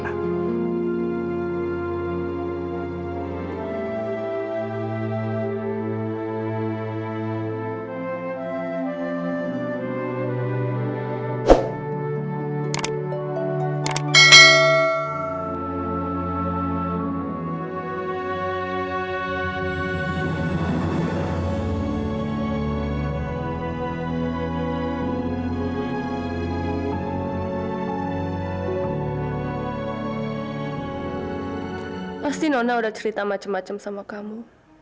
mesti nona udah cerita macem macem sama kamu